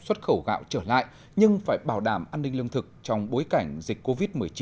xuất khẩu gạo trở lại nhưng phải bảo đảm an ninh lương thực trong bối cảnh dịch covid một mươi chín